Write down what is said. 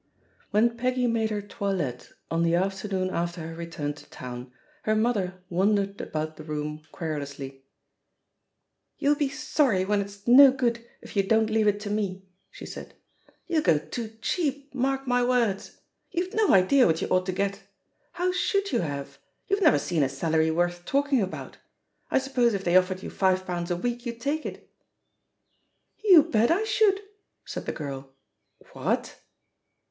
When Peggy made her toilette on the after noon after her retiuTi to town, her mother wan dered about the room querulously. "You'll be sorry when it's no good if you don't J888 THE POSITION OF PEGGY HARPER leave it to me," she said; "y^^*!! g^ *^^ cheap, mark my words I You've no idea what you ought to get — ^how should you have ? you Ve never seen a salary worth talking about. I suppose if they offered you five pounds a week you'd take it?" "You bet I should 1" said the girl, "What?"